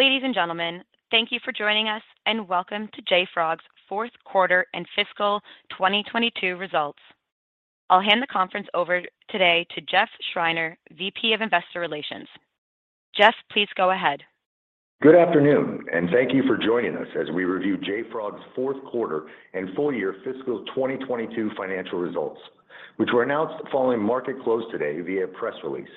Ladies and gentlemen, thank you for joining us, and welcome to JFrog's Fourth Quarter and Fiscal 2022 Results. I'll hand the conference over today to Jeff Schreiner, VP of Investor Relations. Jeff, please go ahead. Good afternoon, and thank you for joining us as we review JFrog's fourth quarter and full year fiscal 2022 financial results, which were announced following market close today via press release.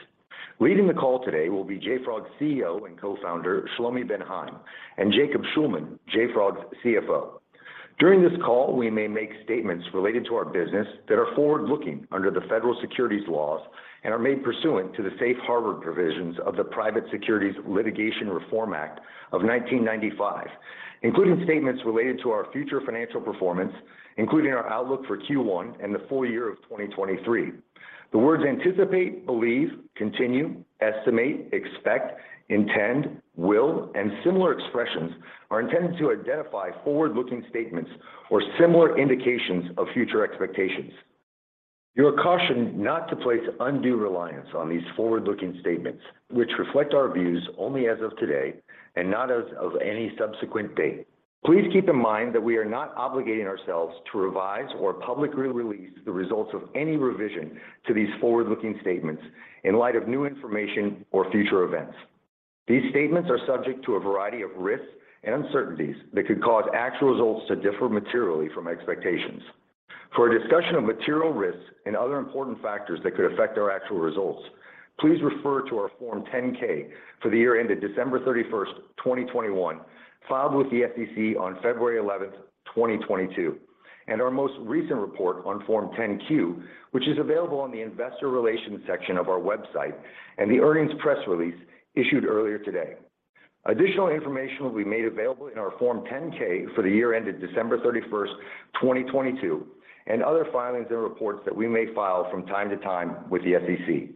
Leading the call today will be JFrog's CEO and Co-founder, Shlomi Ben Haim, and Jacob Shulman, JFrog's CFO. During this call, we may make statements related to our business that are forward-looking under the federal securities laws and are made pursuant to the Safe Harbor provisions of the Private Securities Litigation Reform Act of 1995, including statements related to our future financial performance, including our outlook for Q1 and the full year of 2023. The words anticipate, believe, continue, estimate, expect, intend, will, and similar expressions are intended to identify forward-looking statements or similar indications of future expectations. You are cautioned not to place undue reliance on these forward-looking statements, which reflect our views only as of today and not as of any subsequent date. Please keep in mind that we are not obligating ourselves to revise or publicly release the results of any revision to these forward-looking statements in light of new information or future events. These statements are subject to a variety of risks and uncertainties that could cause actual results to differ materially from expectations. For a discussion of material risks and other important factors that could affect our actual results, please refer to our Form 10-K for the year ended December 31st, 2021, filed with the SEC on February 11th, 2022, and our most recent report on Form 10-Q, which is available on the investor relations section of our website and the earnings press release issued earlier today. Additional information will be made available in our Form 10-K for the year ended December 31st, 2022, and other filings and reports that we may file from time to time with the SEC.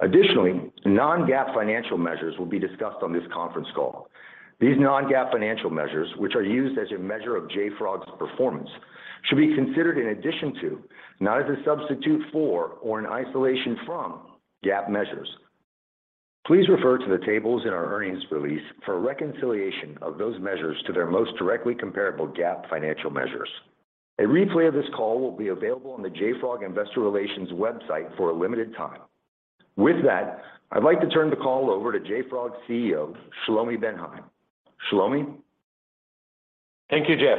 Additionally, non-GAAP financial measures will be discussed on this conference call. These non-GAAP financial measures, which are used as a measure of JFrog's performance, should be considered in addition to, not as a substitute for or in isolation from GAAP measures. Please refer to the tables in our earnings release for a reconciliation of those measures to their most directly comparable GAAP financial measures. A replay of this call will be available on the JFrog investor relations website for a limited time. With that, I'd like to turn the call over to JFrog CEO, Shlomi Ben Haim. Shlomi. Thank you, Jeff.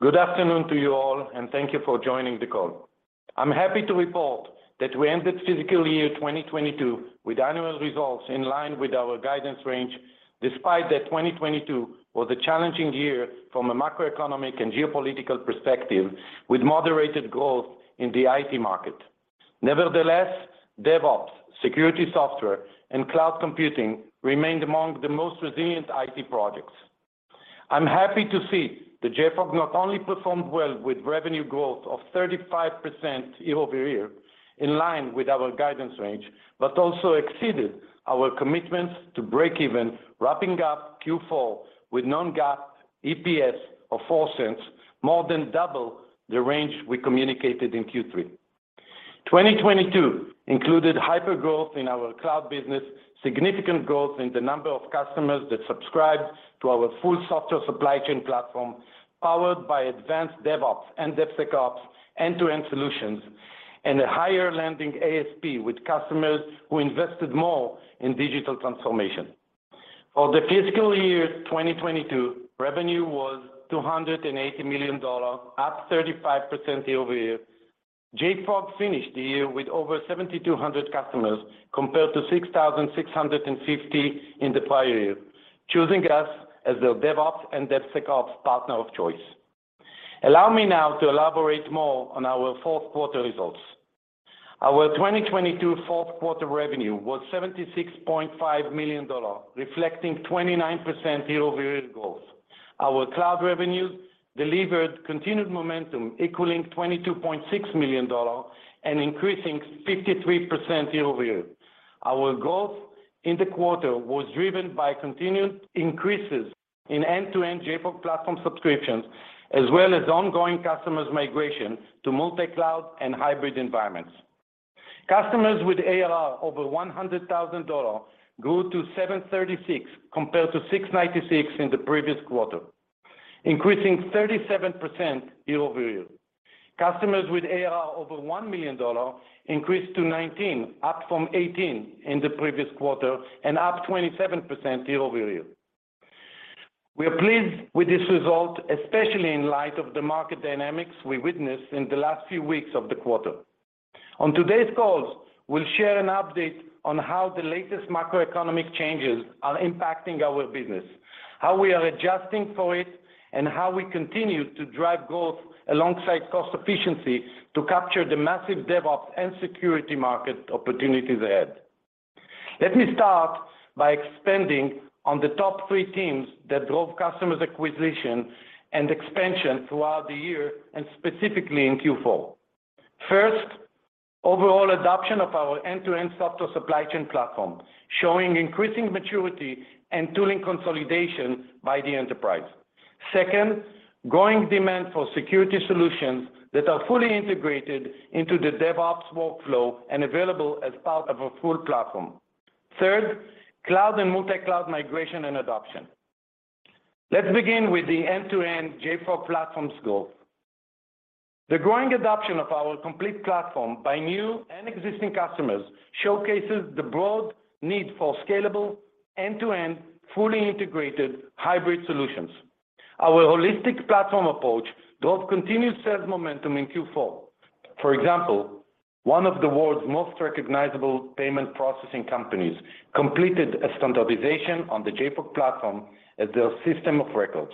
Good afternoon to you all, thank you for joining the call. I'm happy to report that we ended fiscal year 2022 with annual results in line with our guidance range, despite that 2022 was a challenging year from a macroeconomic and geopolitical perspective, with moderated growth in the IT market. Nevertheless, DevOps, security software, and cloud computing remained among the most resilient IT projects. I'm happy to see that JFrog not only performed well with revenue growth of 35% year-over-year, in line with our guidance range, also exceeded our commitments to breakeven, wrapping up Q4 with non-GAAP EPS of $0.04, more than double the range we communicated in Q3. 2022 included hypergrowth in our cloud business, significant growth in the number of customers that subscribed to our full software supply chain platform, powered by advanced DevOps and DevSecOps end-to-end solutions, and a higher landing ASP with customers who invested more in digital transformation. For the fiscal year 2022, revenue was $280 million, up 35% year-over-year. JFrog finished the year with over 7,200 customers compared to 6,650 in the prior year, choosing us as their DevOps and DevSecOps partner of choice. Allow me now to elaborate more on our fourth quarter results. Our 2022 fourth quarter revenue was $76.5 million, reflecting 29% year-over-year growth. Our cloud revenues delivered continued momentum, equaling $22.6 million and increasing 53% year-over-year. Our growth in the quarter was driven by continued increases in end-to-end JFrog platform subscriptions, as well as ongoing customers migration to multi-cloud and hybrid environments. Customers with ARR over $100,000 grew to 736 compared to 696 in the previous quarter, increasing 37% year-over-year. Customers with ARR over $1 million increased to 19, up from 18 in the previous quarter and up 27% year-over-year. We are pleased with this result, especially in light of the market dynamics we witnessed in the last few weeks of the quarter. On today's call, we'll share an update on how the latest macroeconomic changes are impacting our business, how we are adjusting for it, and how we continue to drive growth alongside cost efficiency to capture the massive DevOps and security market opportunities ahead. Let me start by expanding on the top three themes that drove customers acquisition and expansion throughout the year and specifically in Q4. First, overall adoption of our end-to-end software supply chain platform, showing increasing maturity and tooling consolidation by the enterprise. Second, growing demand for security solutions that are fully integrated into the DevOps workflow and available as part of a full platform. Third, cloud and multi-cloud migration and adoption. Let's begin with the end-to-end JFrog platform's growth. The growing adoption of our complete platform by new and existing customers showcases the broad need for scalable end-to-end, fully integrated hybrid solutions. Our holistic platform approach drove continued sales momentum in Q4. For example, one of the world's most recognizable payment processing companies completed a standardization on the JFrog platform as their system of records.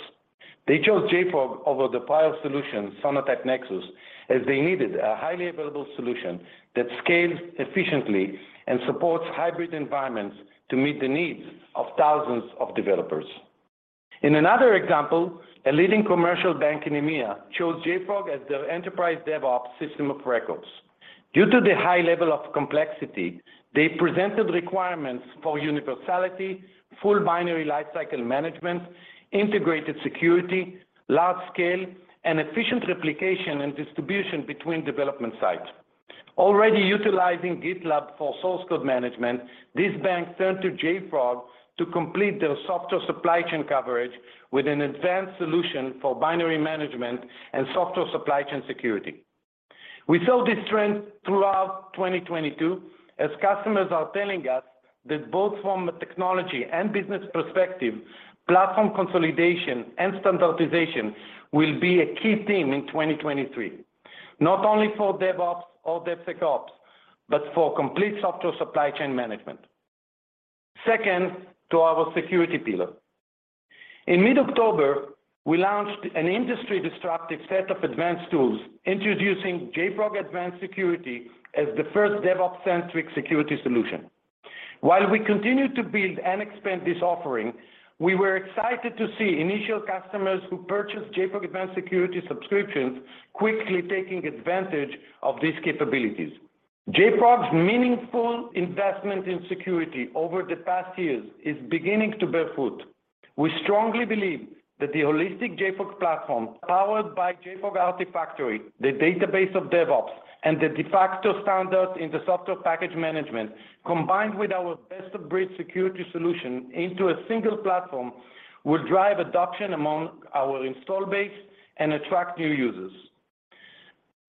They chose JFrog over the prior solution, Sonatype Nexus, as they needed a highly available solution that scales efficiently and supports hybrid environments to meet the needs of thousands of developers. In another example, a leading commercial bank in EMEA chose JFrog as their enterprise DevOps system of records. Due to the high level of complexity, they presented requirements for universality, full binary lifecycle management, integrated security, large scale, and efficient replication and distribution between development sites. Already utilizing GitLab for source code management, this bank turned to JFrog to complete their software supply chain coverage with an advanced solution for binary management and software supply chain security. We saw this trend throughout 2022 as customers are telling us that both from a technology and business perspective, platform consolidation and standardization will be a key theme in 2023, not only for DevOps or DevSecOps, but for complete software supply chain management. Second, to our security pillar. In mid-October, we launched an industry-destructive set of advanced tools introducing JFrog Advanced Security as the first DevOps-centric security solution. While we continued to build and expand this offering, we were excited to see initial customers who purchased JFrog Advanced Security subscriptions quickly taking advantage of these capabilities. JFrog's meaningful investment in security over the past years is beginning to bear fruit. We strongly believe that the holistic JFrog platform powered by JFrog Artifactory, the database of DevOps, and the de facto standard in the software package management, combined with our best-of-breed security solution into a single platform, will drive adoption among our install base and attract new users.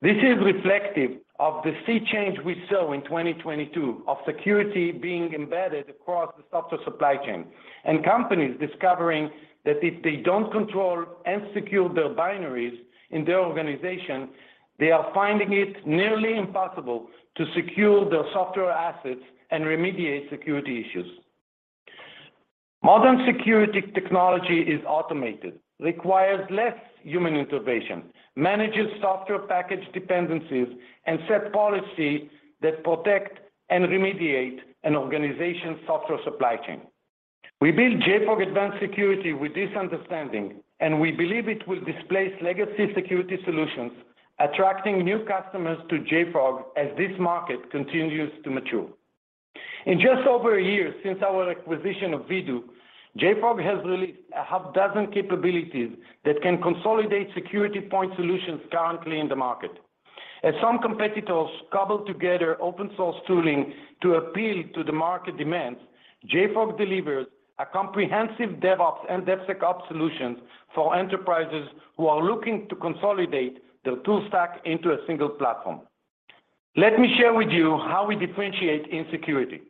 This is reflective of the sea change we saw in 2022 of security being embedded across the software supply chain, and companies discovering that if they don't control and secure their binaries in their organization, they are finding it nearly impossible to secure their software assets and remediate security issues. Modern security technology is automated, requires less human intervention, manages software package dependencies, and sets policy that protect and remediate an organization's software supply chain. We built JFrog Advanced Security with this understanding. We believe it will displace legacy security solutions, attracting new customers to JFrog as this market continues to mature. In just over a year since our acquisition of Vdoo, JFrog has released a half dozen capabilities that can consolidate security point solutions currently in the market. As some competitors cobble together open source tooling to appeal to the market demands, JFrog delivers a comprehensive DevOps and DevSecOps solution for enterprises who are looking to consolidate their tool stack into a single platform. Let me share with you how we differentiate in security.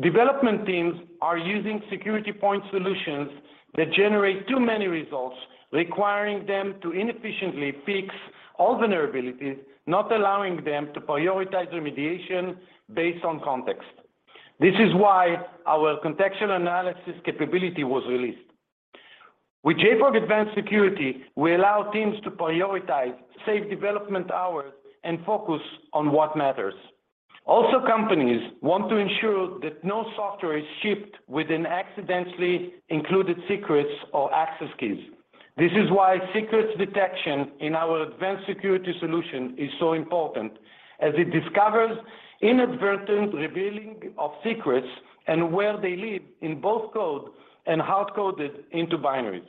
Development teams are using security point solutions that generate too many results, requiring them to inefficiently fix all vulnerabilities, not allowing them to prioritize remediation based on context. This is why our contextual analysis capability was released. With JFrog Advanced Security, we allow teams to prioritize, save development hours, and focus on what matters. Also, companies want to ensure that no software is shipped with an accidentally included secrets or access keys. This is why secrets detection in our advanced security solution is so important, as it discovers inadvertent revealing of secrets and where they live in both code and hard-coded into binaries.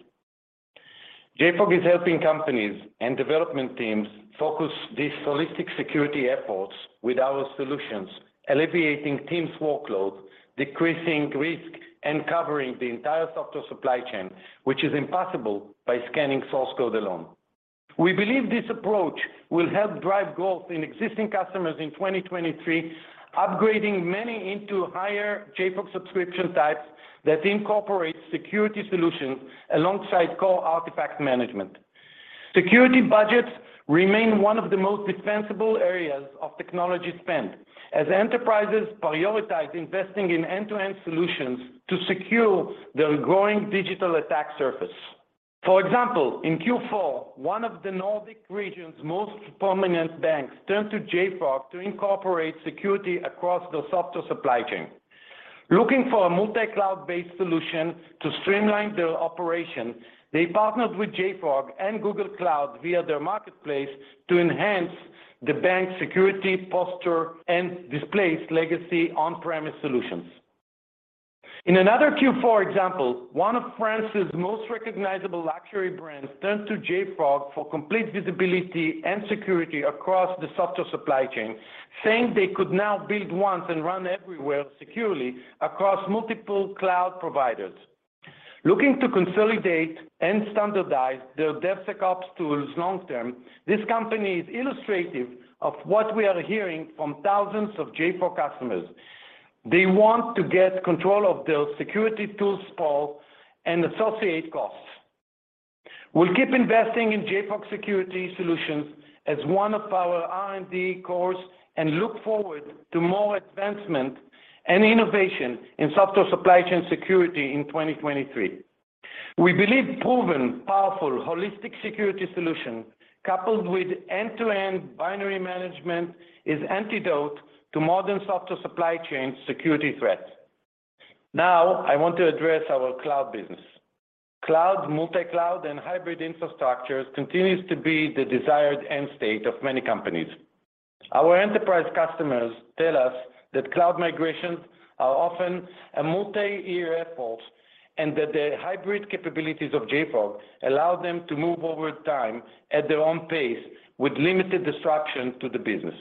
JFrog is helping companies and development teams focus these holistic security efforts with our solutions, alleviating teams' workloads, decreasing risk, and covering the entire software supply chain, which is impossible by scanning source code alone. We believe this approach will help drive growth in existing customers in 2023, upgrading many into higher JFrog subscription types that incorporate security solutions alongside core artifact management. Security budgets remain one of the most defensible areas of technology spend as enterprises prioritize investing in end-to-end solutions to secure their growing digital attack surface. For example, in Q four, one of the Nordic region's most prominent banks turned to JFrog to incorporate security across their software supply chain. Looking for a multi-cloud-based solution to streamline their operation, they partnered with JFrog and Google Cloud via their marketplace to enhance the bank's security posture and displace legacy on-premise solutions. In another Q four example, one of France's most recognizable luxury brands turned to JFrog for complete visibility and security across the software supply chain, saying they could now build once and run everywhere securely across multiple cloud providers. Looking to consolidate and standardize their DevSecOps tools long term, this company is illustrative of what we are hearing from thousands of JFrog customers. They want to get control of their security tool sprawl and associate costs. We'll keep investing in JFrog security solutions as one of our R&D cores and look forward to more advancement and innovation in software supply chain security in 2023. We believe proven, powerful, holistic security solution coupled with end-to-end binary management is antidote to modern software supply chain security threats. I want to address our cloud business. Cloud, multi-cloud, and hybrid infrastructures continues to be the desired end state of many companies. Our enterprise customers tell us that cloud migrations are often a multi-year effort and that the hybrid capabilities of JFrog allow them to move over time at their own pace with limited disruption to the business.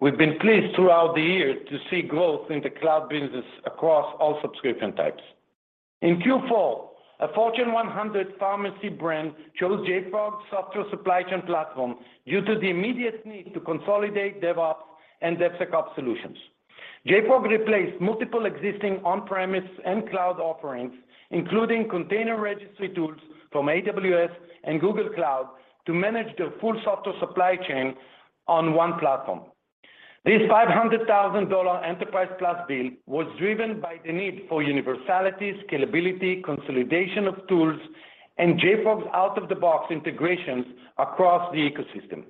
We've been pleased throughout the year to see growth in the cloud business across all subscription types. In Q4, a Fortune 100 pharmacy brand chose JFrog software supply chain platform due to the immediate need to consolidate DevOps and DevSecOps solutions. JFrog replaced multiple existing on-premise and cloud offerings, including container registry tools from AWS and Google Cloud to manage their full software supply chain on one platform. This $500,000 Enterprise+ deal was driven by the need for universality, scalability, consolidation of tools, and JFrog's out-of-the-box integrations across the ecosystem.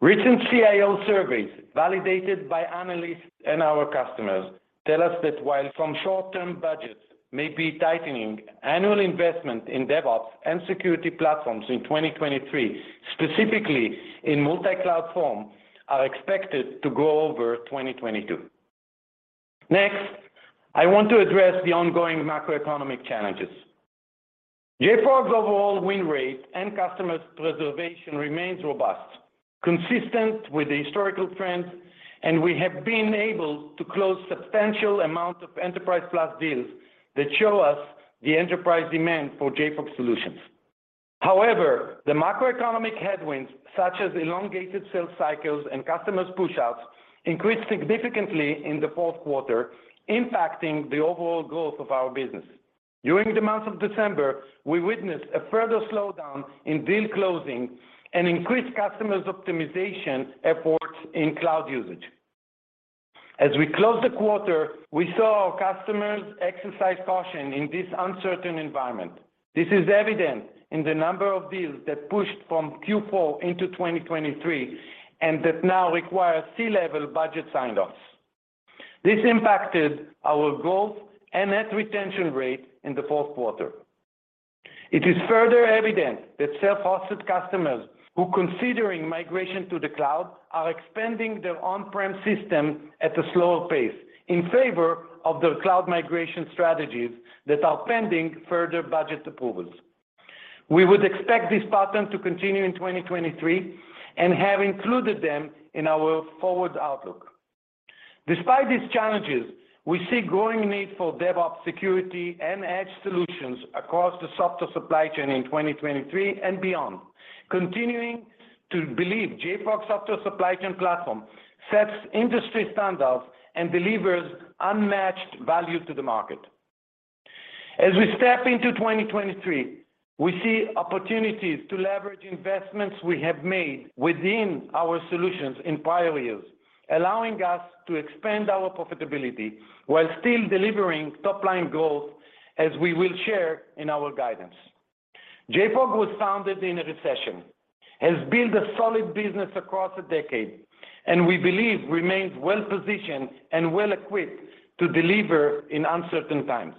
Recent CIO surveys validated by analysts and our customers tell us that while some short-term budgets may be tightening, annual investment in DevOps and security platforms in 2023, specifically in multi-cloud form, are expected to grow over 2022. Next, I want to address the ongoing macroeconomic challenges. JFrog's overall win rate and customers preservation remains robust, consistent with the historical trends, and we have been able to close substantial amounts of Enterprise+ deals that show us the enterprise demand for JFrog solutions. However, the macroeconomic headwinds, such as elongated sales cycles and customers pushouts, increased significantly in the fourth quarter, impacting the overall growth of our business. During the month of December, we witnessed a further slowdown in deal closing and increased customers optimization efforts in cloud usage. As we close the quarter, we saw our customers exercise caution in this uncertain environment. This is evident in the number of deals that pushed from Q4 into 2023 and that now require C-level budget sign-offs. This impacted our growth and net retention rate in the fourth quarter. It is further evident that self-hosted customers who considering migration to the cloud are expanding their on-prem system at a slower pace in favor of their cloud migration strategies that are pending further budget approvals. We would expect this pattern to continue in 2023 and have included them in our forward outlook. Despite these challenges, we see growing need for DevOps security and edge solutions across the software supply chain in 2023 and beyond. Continuing to believe JFrog's software supply chain platform sets industry standards and delivers unmatched value to the market. As we step into 2023, we see opportunities to leverage investments we have made within our solutions in prior years, allowing us to expand our profitability while still delivering top-line growth as we will share in our guidance. JFrog was founded in a recession, has built a solid business across a decade, and we believe remains well-positioned and well-equipped to deliver in uncertain times.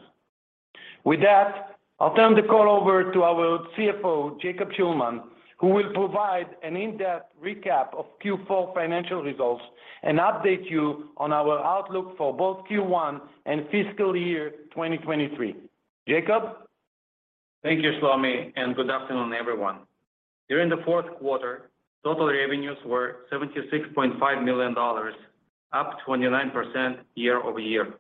With that, I'll turn the call over to our CFO, Jacob Shulman, who will provide an in-depth recap of Q4 financial results and update you on our outlook for both Q1 and fiscal year 2023. Jacob. Thank you, Shlomi, and good afternoon, everyone. During the fourth quarter, total revenues were $76.5 million, up 29% year-over-year.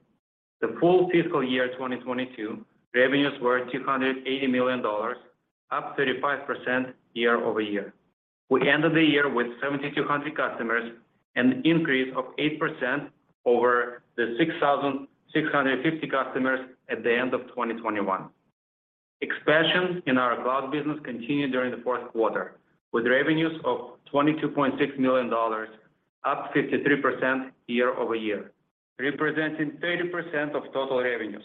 The full fiscal year 2022, revenues were $280 million, up 35% year-over-year. We ended the year with 7,200 customers, an increase of 8% over the 6,650 customers at the end of 2021. Expansion in our cloud business continued during the fourth quarter with revenues of $22.6 million, up 53% year-over-year, representing 30% of total revenues.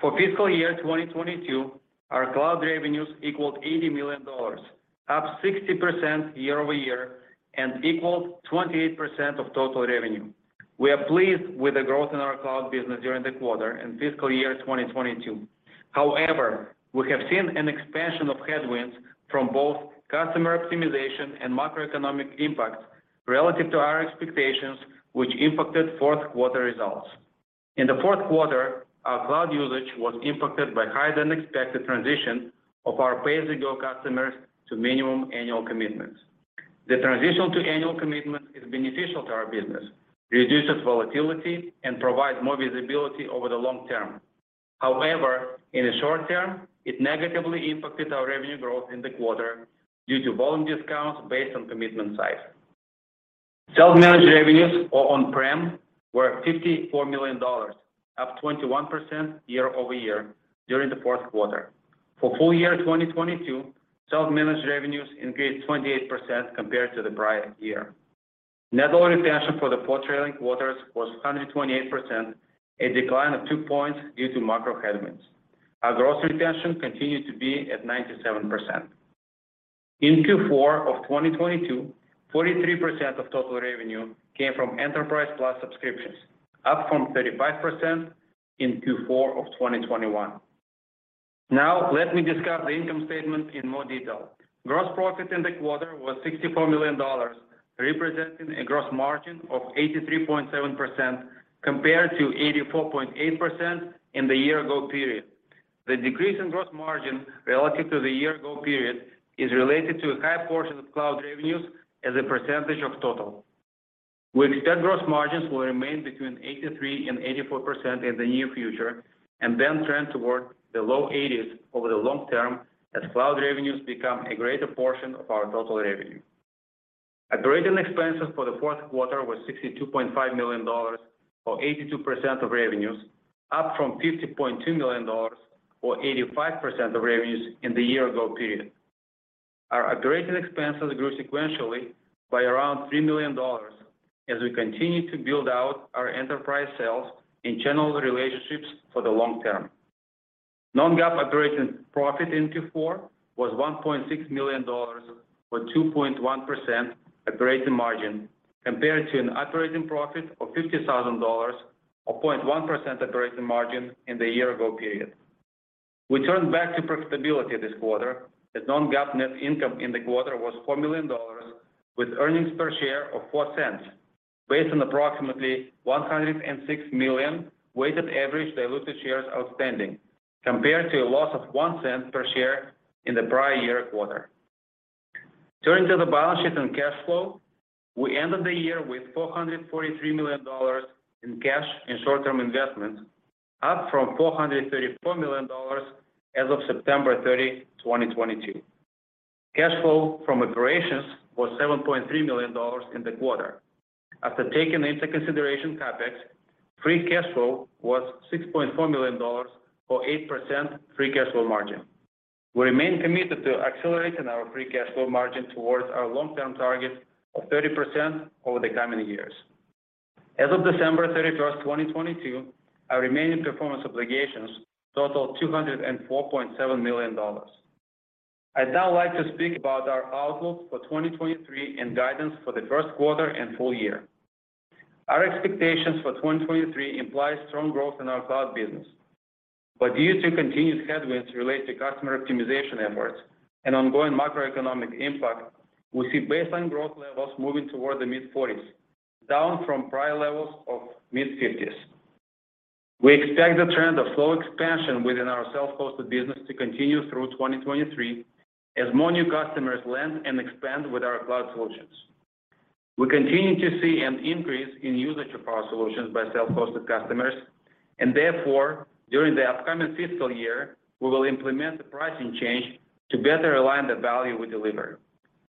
For fiscal year 2022, our cloud revenues equaled $80 million, up 60% year-over-year and equaled 28% of total revenue. We are pleased with the growth in our cloud business during the quarter and fiscal year 2022. However, we have seen an expansion of headwinds from both customer optimization and macroeconomic impacts relative to our expectations, which impacted fourth quarter results. In the fourth quarter, our cloud usage was impacted by higher-than-expected transition of our pay-as-you-go customers to minimum annual commitments. The transition to annual commitment is beneficial to our business, reduces volatility, and provides more visibility over the long term. In the short term, it negatively impacted our revenue growth in the quarter due to volume discounts based on commitment size. Self-managed revenues or on-prem were $54 million, up 21% year-over-year during the fourth quarter. For full year 2022, self-managed revenues increased 28% compared to the prior year. Net dollar retention for the four trailing quarters was 128%, a decline of two points due to macro headwinds. Our gross retention continued to be at 97%. In Q4 of 2022, 43% of total revenue came from Enterprise+ subscriptions, up from 35% in Q4 of 2021. Let me discuss the income statement in more detail. Gross profit in the quarter was $64 million, representing a gross margin of 83.7% compared to 84.8% in the year-ago period. The decrease in gross margin relative to the year-ago period is related to a high portion of cloud revenues as a percentage of total. We expect gross margins will remain between 83% and 84% in the near future, and then trend toward the low 80s over the long term as cloud revenues become a greater portion of our total revenue. Operating expenses for the fourth quarter was $62.5 million or 82% of revenues, up from $50.2 million or 85% of revenues in the year ago period. Our operating expenses grew sequentially by around $3 million as we continue to build out our enterprise sales and channel relationships for the long term. Non-GAAP operating profit in Q4 was $1.6 million or 2.1% operating margin, compared to an operating profit of $50,000 or 0.1% operating margin in the year ago period. We turned back to profitability this quarter as non-GAAP net income in the quarter was $4 million with earnings per share of $0.04 based on approximately 106 million weighted average diluted shares outstanding, compared to a loss of $0.01 per share in the prior year quarter. Turning to the balance sheet and cash flow, we ended the year with $443 million in cash and short-term investments, up from $434 million as of September 30, 2022. Cash flow from operations was $7.3 million in the quarter. After taking into consideration CapEx, free cash flow was $6.4 million or 8% free cash flow margin. We remain committed to accelerating our free cash flow margin towards our long-term target of 30% over the coming years. As of December 31st, 2022, our remaining performance obligations totaled $204.7 million. I'd now like to speak about our outlook for 2023 and guidance for the first quarter and full year. Our expectations for 2023 implies strong growth in our cloud business. Due to continued headwinds related to customer optimization efforts and ongoing macroeconomic impact, we see baseline growth levels moving toward the mid-40s, down from prior levels of mid-50s. We expect the trend of slow expansion within our self-hosted business to continue through 2023 as more new customers land and expand with our cloud solutions. We continue to see an increase in usage of our solutions by self-hosted customers, and therefore, during the upcoming fiscal year, we will implement the pricing change to better align the value we deliver.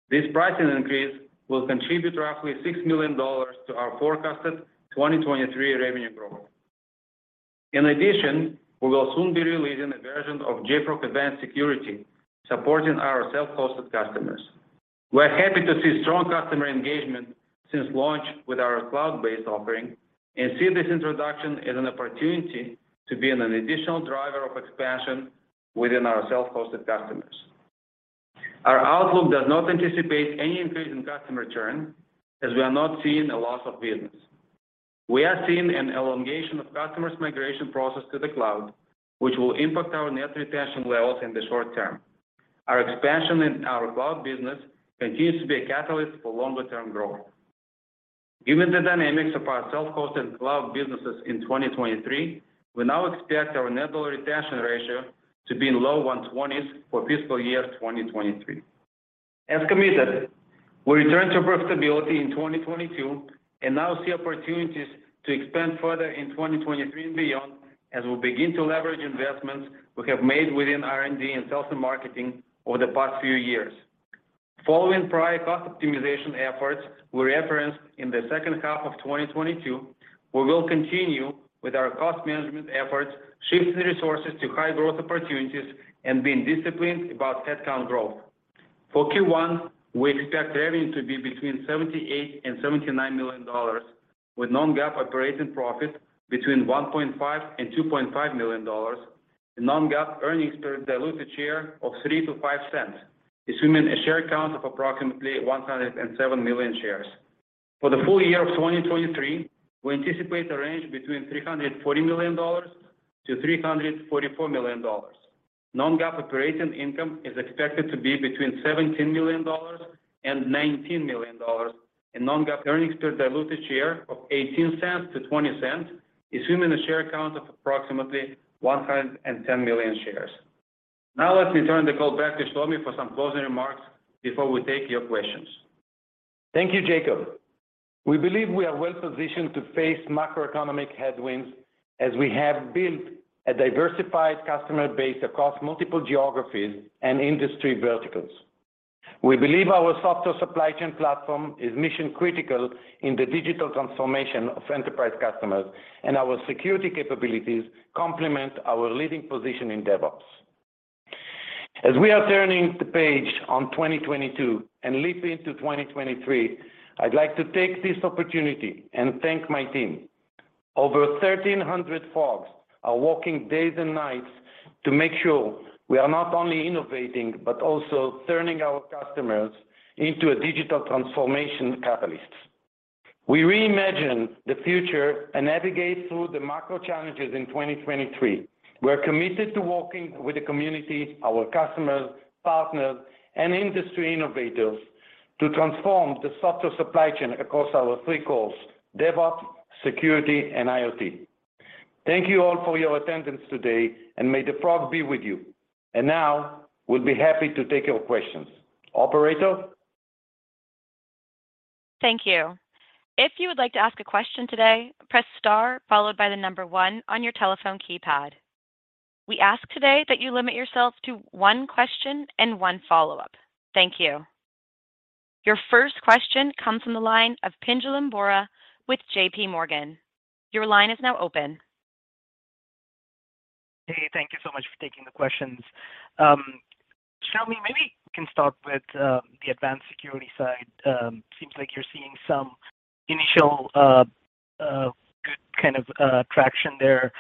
This pricing increase will contribute roughly $6 million to our forecasted 2023 revenue growth. In addition, we will soon be releasing a version of JFrog Advanced Security supporting our self-hosted customers. We're happy to see strong customer engagement since launch with our cloud-based offering and see this introduction as an opportunity to be an additional driver of expansion within our self-hosted customers. Our outlook does not anticipate any increase in customer churn as we are not seeing a loss of business. We are seeing an elongation of customers' migration process to the cloud, which will impact our net retention levels in the short term. Our expansion in our cloud business continues to be a catalyst for longer-term growth. Given the dynamics of our self-hosted cloud businesses in 2023, we now expect our net dollar retention ratio to be in low 120s for fiscal year 2023. As committed, we return to profitability in 2022 and now see opportunities to expand further in 2023 and beyond as we begin to leverage investments we have made within R&D and sales and marketing over the past few years. Following prior cost optimization efforts we referenced in the second half of 2022, we will continue with our cost management efforts, shifting resources to high growth opportunities, and being disciplined about headcount growth. For Q1, we expect revenue to be between $78 million and $79 million, with non-GAAP operating profit between $1.5 million and $2.5 million, and non-GAAP earnings per diluted share of $0.03 to $0.05, assuming a share count of approximately 107 million shares. For the full year of 2023, we anticipate a range between $340 million and $344 million. Non-GAAP operating income is expected to be between $17 million and $19 million, non-GAAP earnings per diluted share of $0.18 to $0.20, assuming a share count of approximately 110 million shares. Let's return the call back to Shlomi for some closing remarks before we take your questions. Thank you, Jacob. We believe we are well-positioned to face macroeconomic headwinds as we have built a diversified customer base across multiple geographies and industry verticals. We believe our software supply chain platform is mission-critical in the digital transformation of enterprise customers, and our security capabilities complement our leading position in DevOps. As we are turning the page on 2022 and leap into 2023, I'd like to take this opportunity and thank my team. Over 1,300 Frogs are working days and nights to make sure we are not only innovating, but also turning our customers into a digital transformation catalyst. We reimagine the future and navigate through the macro challenges in 2023. We're committed to working with the community, our customers, partners, and industry innovators to transform the software supply chain across our three cores, DevOps, security, and IoT. Thank you all for your attendance today, and may the Frog be with you. Now we'll be happy to take your questions. Operator? Thank you. If you would like to ask a question today, press star followed by one on your telephone keypad. We ask today that you limit yourself to one question and one follow-up. Thank you. Your first question comes from the line of Pinjalin Bora with J.P. Morgan. Your line is now open. Hey, thank you so much for taking the questions. Shlomi, maybe you can start with the advanced security side. Seems like you're seeing some initial good kind of traction there.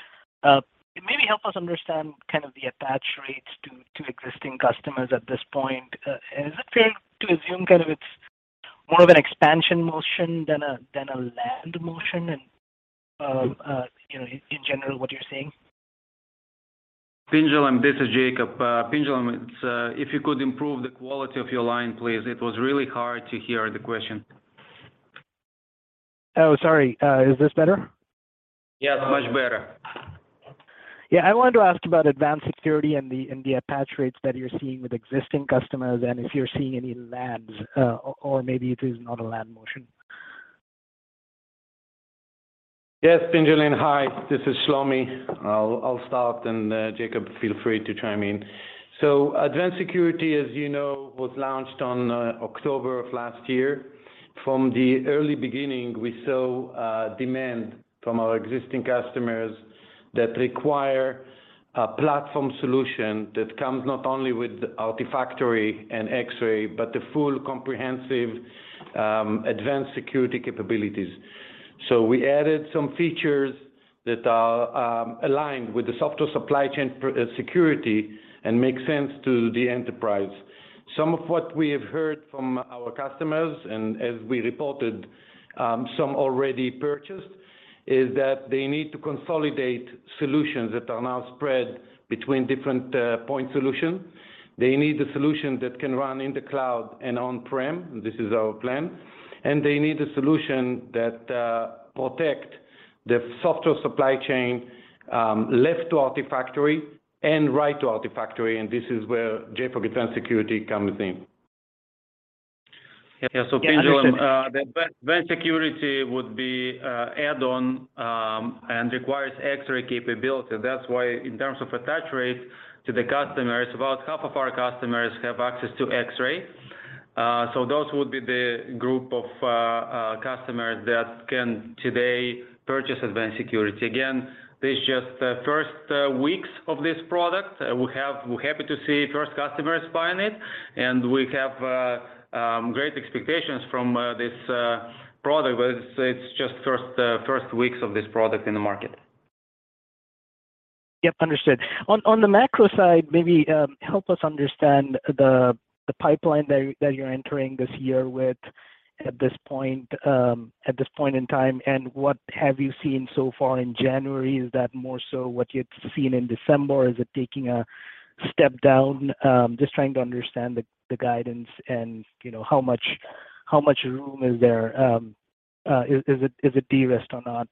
Maybe help us understand kind of the attach rates to existing customers at this point. Is it fair to assume kind of it's more of an expansion motion than a land motion and, you know, in general what you're seeing? Pinjalin, this is Jacob. Pinjalin, it's, if you could improve the quality of your line, please. It was really hard to hear the question. Oh, sorry. Is this better? Yes, much better. Yeah. I wanted to ask about Advanced Security and the attach rates that you're seeing with existing customers, and if you're seeing any lands, or maybe it is not a land motion. Yes. Pinjalin, hi, this is Shlomi. I'll start, and Jacob, feel free to chime in. Advanced Security, as you know, was launched on October of last year. From the early beginning, we saw demand from our existing customers that require a platform solution that comes not only with the Artifactory and Xray, but the full comprehensive Advanced Security capabilities. We added some features that are aligned with the software supply chain security and make sense to the enterprise. Some of what we have heard from our customers, and as we reported, some already purchased, is that they need to consolidate solutions that are now spread between different point solution. They need a solution that can run in the cloud and on-prem. This is our plan. They need a solution that protect the software supply chain, left to Artifactory and right to Artifactory. This is where JFrog Eternal Security comes in. Yeah. Yeah. Understood. The Advanced Security would be add-on and requires Xray capability. That's why in terms of attach rate to the customers, about half of our customers have access to Xray. Those would be the group of customers that can today purchase Advanced Security. Again, this just the first weeks of this product. We're happy to see first customers buying it, and we have great expectations from this product, but it's just first weeks of this product in the market. Yep, understood. On the macro side, maybe, help us understand the pipeline that you're entering this year with at this point, at this point in time. What have you seen so far in January? Is that more so what you'd seen in December, or is it taking a step down? Just trying to understand the guidance and, you know, how much room is there. Is it de-risked or not?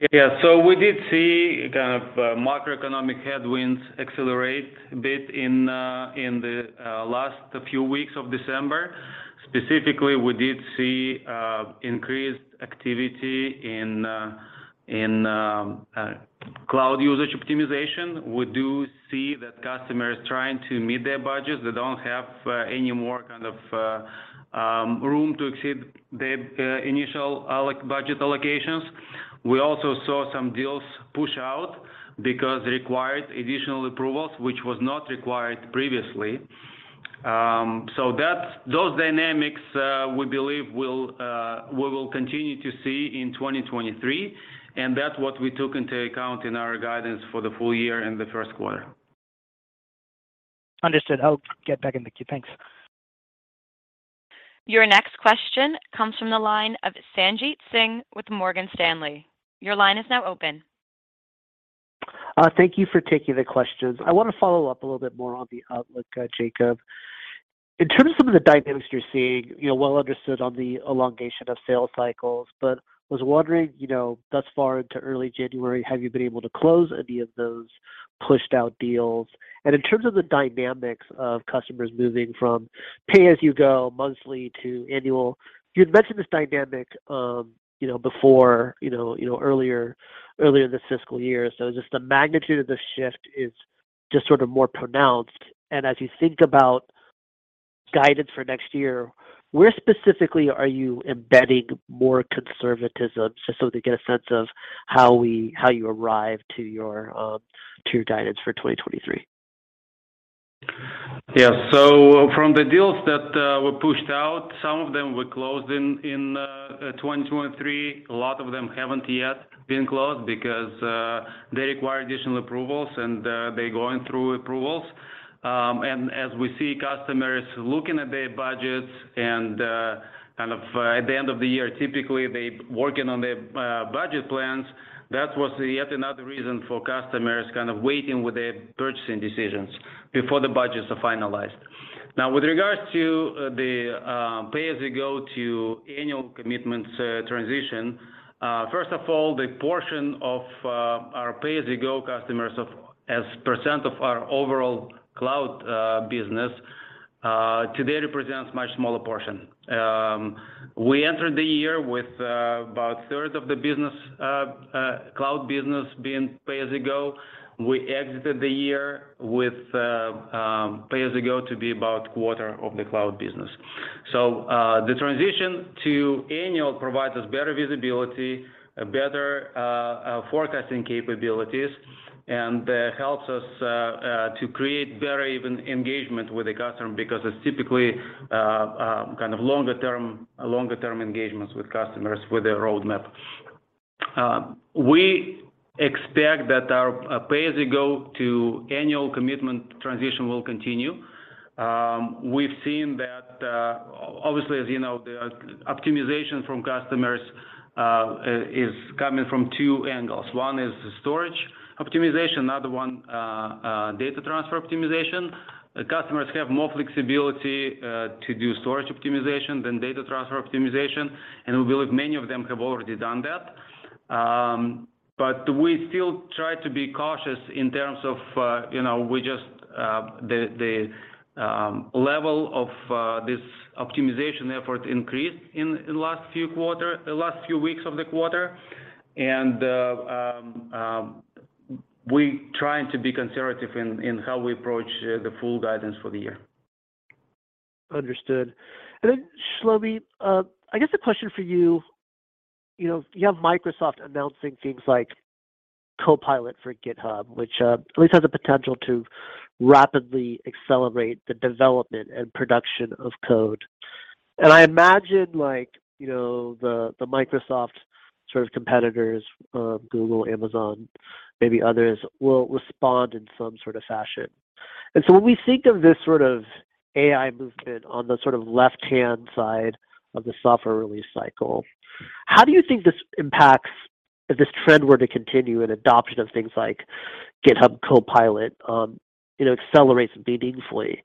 We did see kind of macroeconomic headwinds accelerate a bit in the last few weeks of December. Specifically, we did see increased activity in cloud usage optimization. We do see that customers trying to meet their budgets, they don't have any more kind of room to exceed the initial budget allocations. We also saw some deals push out because it required additional approvals, which was not required previously. Those dynamics, we believe will continue to see in 2023, and that's what we took into account in our guidance for the full year and the first quarter. Understood. I'll get back in the queue. Thanks. Your next question comes from the line of Sanjit Singh with Morgan Stanley. Your line is now open. Thank you for taking the questions. I wanna follow up a little bit more on the outlook, Jacob. In terms of some of the dynamics you're seeing, you know, well understood on the elongation of sales cycles, but was wondering, you know, thus far into early January, have you been able to close any of those pushed out deals? And in terms of the dynamics of customers moving from pay-as-you-go monthly to annual, you'd mentioned this dynamic, you know, before, earlier this fiscal year. So just the magnitude of the shift is just sort of more pronounced. And as you think about guidance for next year, where specifically are you embedding more conservatism just so we can get a sense of how you arrive to your guidance for 2023? Yeah. From the deals that were pushed out, some of them were closed in 2023. A lot of them haven't yet been closed because they require additional approvals, and they're going through approvals. As we see customers looking at their budgets and kind of at the end of the year, typically they working on their budget plans, that was yet another reason for customers kind of waiting with their purchasing decisions before the budgets are finalized. Now, with regards to the pay-as-you-go to annual commitments transition, first of all, the portion of our pay-as-you-go customers of as percent of our overall cloud business today represents much smaller portion. We entered the year with about a third of the business cloud business being pay-as-you-go. We exited the year with pay-as-you-go to be about quarter of the cloud business. The transition to annual provides us better visibility, better forecasting capabilities, and helps us to create better even engagement with the customer because it's typically kind of longer term engagements with customers with their roadmap. We expect that our pay-as-you-go to annual commitment transition will continue. We've seen that obviously, as you know, the optimization from customers is coming from two angles. One is storage optimization, another one, data transfer optimization. Customers have more flexibility to do storage optimization than data transfer optimization, and we believe many of them have already done that. We still try to be cautious in terms of, you know, we just, the level of, this optimization effort increased in last few weeks of the quarter. We trying to be conservative in how we approach the full guidance for the year. Understood. Shlomi, I guess a question for you. You know, you have Microsoft announcing things like Copilot for GitHub, which at least has the potential to rapidly accelerate the development and production of code. I imagine, like, you know, the Microsoft sort of competitors, Google, Amazon, maybe others, will respond in some sort of fashion. When we think of this sort of AI movement on the sort of left-hand side of the software release cycle, how do you think this impacts if this trend were to continue and adoption of things like GitHub Copilot, you know, accelerates meaningfully?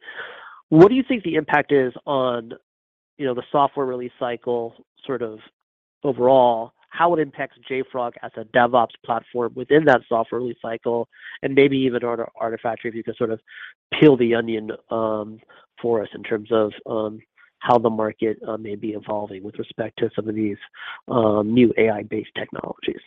What do you think the impact is on, you know, the software release cycle sort of overall, how it impacts JFrog as a DevOps platform within that software release cycle, and maybe even Artifactory, if you could sort of peel the onion, for us in terms of how the market may be evolving with respect to some of these new AI-based technologies?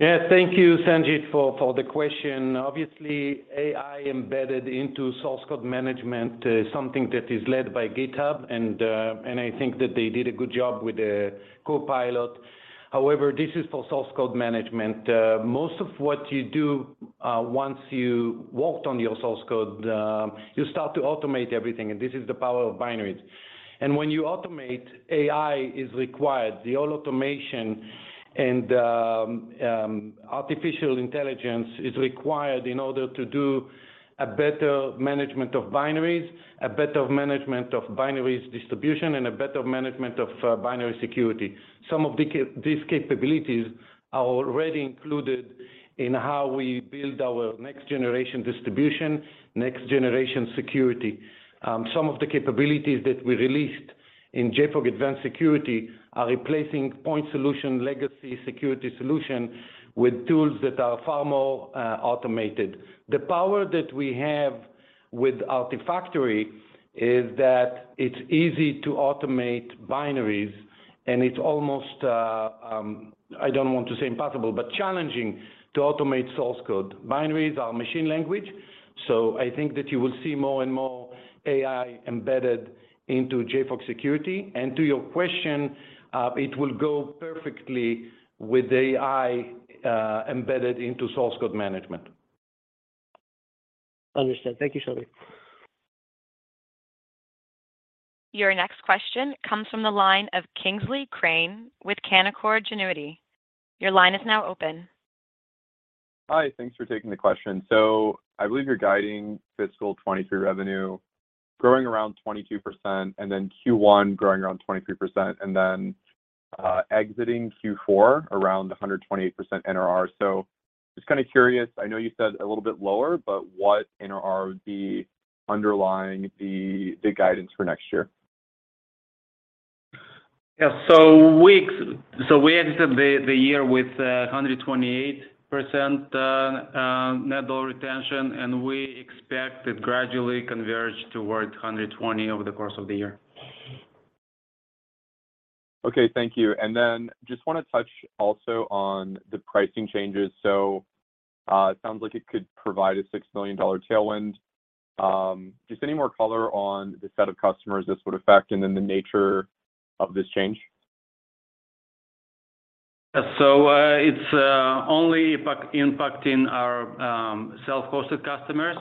Thank you, Sanjit, for the question. Obviously, AI embedded into source code management is something that is led by GitHub, and I think that they did a good job with the Copilot. However, this is for source code management. Most of what you do, once you worked on your source code, you start to automate everything, and this is the power of binaries. When you automate, AI is required. The whole automation and artificial intelligence is required in order to do a better management of binaries, a better management of binaries distribution, and a better management of binary security. Some of these capabilities are already included in how we build our next generation distribution, next generation security. Some of the capabilities that we released in JFrog Advanced Security are replacing point solution legacy security solution with tools that are far more automated. The power that we have with Artifactory is that it's easy to automate binaries, and it's almost, I don't want to say impossible, but challenging to automate source code. Binaries are machine language, so I think that you will see more and more AI embedded into JFrog Security. To your question, it will go perfectly with AI embedded into source code management. Understood. Thank you, Shlomi. Your next question comes from the line of Kingsley Crane with Canaccord Genuity. Your line is now open. Hi. Thanks for taking the question. I believe you're guiding fiscal 2023 revenue growing around 22%, and then Q1 growing around 23%, and then exiting Q4 around 128% NRR. Just kinda curious, I know you said a little bit lower, but what NRR would be underlying the guidance for next year? Yeah. We exited the year with 128% net dollar retention, and we expect it gradually converge towards 120% over the course of the year. Okay. Thank you. Then just wanna touch also on the pricing changes. It sounds like it could provide a $6 million tailwind. Just any more color on the set of customers this would affect, and then the nature of this change. It's only impacting our self-hosted customers.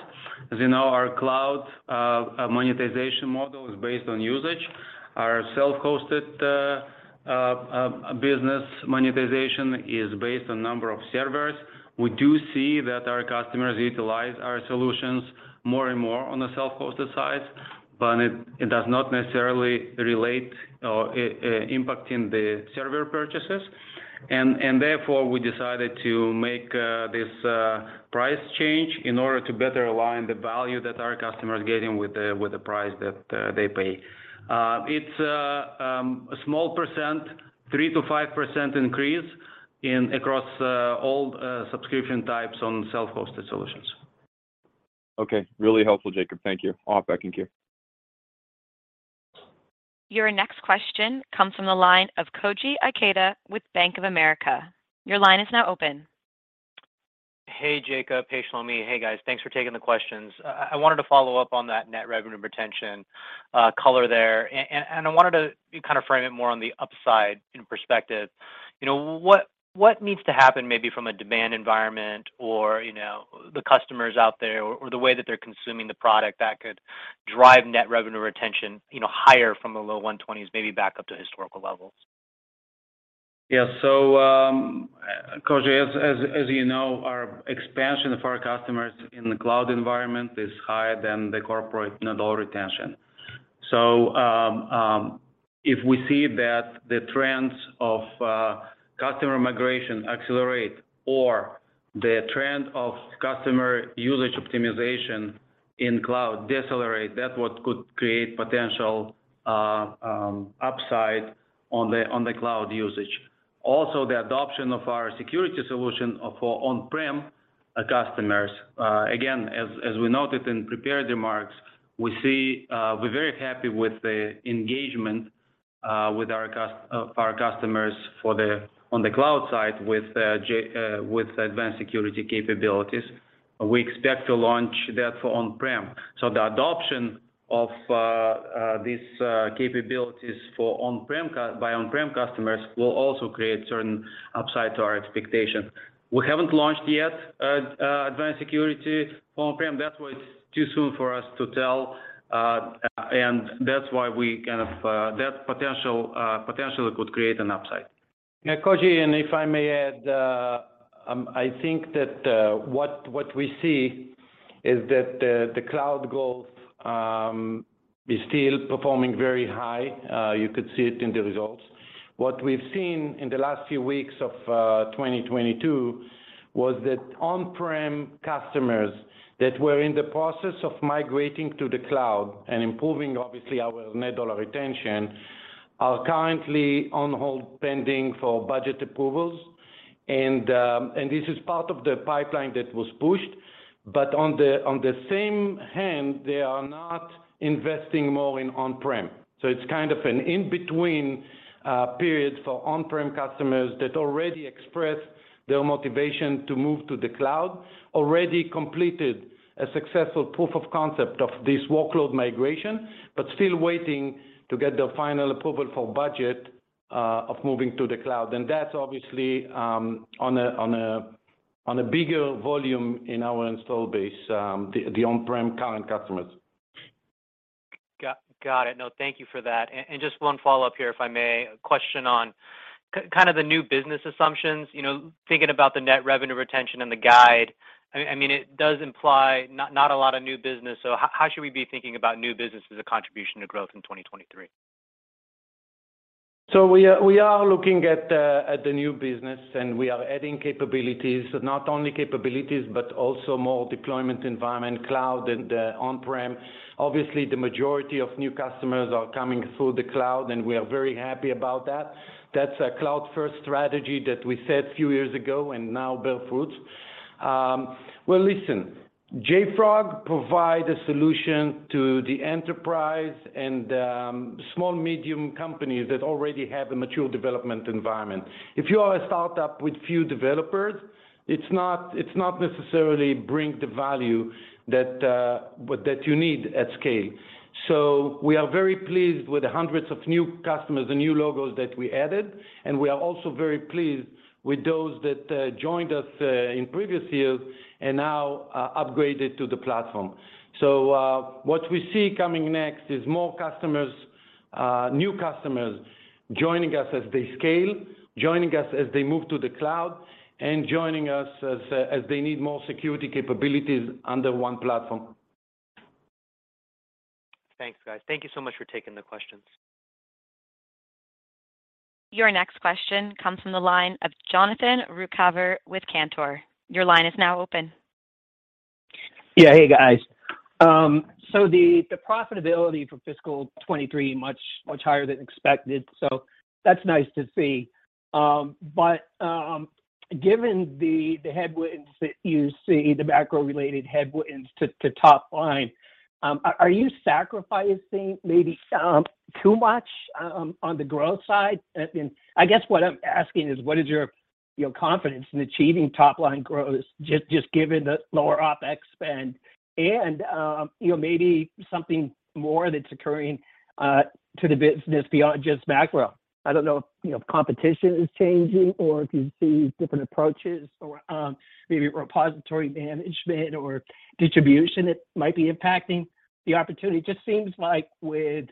As you know, our cloud monetization model is based on usage. Our self-hosted business monetization is based on number of servers. We do see that our customers utilize our solutions more and more on the self-hosted side, but it does not necessarily relate or impact in the server purchases. Therefore, we decided to make this price change in order to better align the value that our customers are getting with the price that they pay. It's a small percent, 3%-5% increase across all subscription types on self-hosted solutions. Okay. Really helpful, Jacob. Thank you. All back in queue. Your next question comes from the line of Koji Ikeda with Bank of America. Your line is now open. Hey, Jacob, Shlomi. Hey, guys. Thanks for taking the questions. I wanted to follow up on that net revenue retention color there. And I wanted to kind of frame it more on the upside in perspective. You know, what needs to happen maybe from a demand environment or, you know, the customers out there or the way that they're consuming the product that could drive net revenue retention, you know, higher from the low 120s, maybe back up to historical levels? Yeah. Koji, as you know, our expansion for our customers in the cloud environment is higher than the corporate net dollar retention. If we see that the trends of customer migration accelerate or the trend of customer usage optimization in cloud decelerate, that's what could create potential upside on the cloud usage. Also, the adoption of our security solution of our on-prem customers, again, as we noted in prepared remarks, we see. We're very happy with the engagement with our customers for the on the cloud side with Advanced Security capabilities. We expect to launch that for on-prem. The adoption of these capabilities for on-prem by on-prem customers will also create certain upside to our expectations. We haven't launched yet, Advanced Security for on-prem. That's why it's too soon for us to tell. That's why we kind of, that potential, potentially could create an upside. Yeah, Koji, if I may add, I think that what we see is that the cloud growth is still performing very high. You could see it in the results. What we've seen in the last few weeks of 2022 was that on-prem customers that were in the process of migrating to the cloud and improving obviously our net dollar retention are currently on hold pending for budget approvals. This is part of the pipeline that was pushed. On the same hand, they are not investing more in on-prem. It's kind of an in-between period for on-prem customers that already expressed their motivation to move to the cloud, already completed a successful proof of concept of this workload migration, but still waiting to get the final approval for budget, of moving to the cloud. That's obviously, on a bigger volume in our install base, the on-prem current customers. Got it. No, thank you for that. Just one follow-up here, if I may. A question on kind of the new business assumptions. You know, thinking about the net revenue retention and the guide, I mean, it does imply not a lot of new business. How should we be thinking about new business as a contribution to growth in 2023? We are looking at the new business, and we are adding capabilities. Not only capabilities, but also more deployment environment, cloud and on-prem. Obviously, the majority of new customers are coming through the cloud, and we are very happy about that. That's a cloud first strategy that we set few years ago and now bear fruits. Well, listen, JFrog provide a solution to the enterprise and small, medium companies that already have a mature development environment. If you are a startup with few developers, it's not necessarily bring the value that you need at scale. We are very pleased with the 100 of new customers and new logos that we added, and we are also very pleased with those that joined us in previous years and now upgraded to the platform. What we see coming next is more customers, new customers joining us as they scale, joining us as they move to the cloud, and joining us as they need more security capabilities under one platform. Thanks, guys. Thank you so much for taking the questions. Your next question comes from the line of Jonathan Ruykhaver with Cantor. Your line is now open. Yeah. Hey, guys. The profitability for fiscal 2023 much, much higher than expected, so that's nice to see. Given the headwinds that you see, the macro related headwinds to top line, are you sacrificing maybe too much on the growth side? I guess what I'm asking is what is your confidence in achieving top line growth just given the lower OpEx spend and, you know, maybe something more that's occurring to the business beyond just macro? I don't know if, you know, if competition is changing or if you see different approaches or, maybe repository management or distribution that might be impacting the opportunity. Just seems like with,